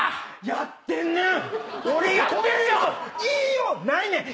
やってるねん！